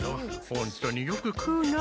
ホントによく食うな。